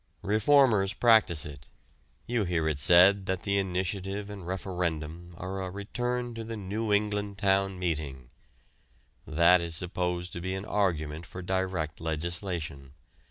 Reformers practice it. You hear it said that the initiative and referendum are a return to the New England town meeting. That is supposed to be an argument for direct legislation.